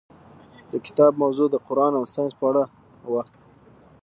د کتاب موضوع د قرآن او ساینس په اړه وه.